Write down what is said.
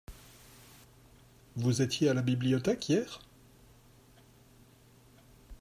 Vous étiez à la bibliothèque hier ?